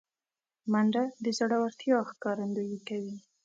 منډه د زړورتیا ښکارندویي کوي